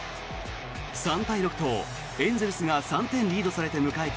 ３対６とエンゼルスが３点リードされて迎えた